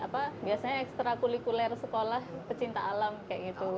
tapi guru juga di apa biasanya ekstra kulikuler sekolah pecinta alam kayak gitu